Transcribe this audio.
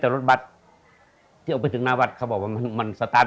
แต่รถบัตรที่ออกไปถึงหน้าวัดเขาบอกว่ามันมันสตาร์ท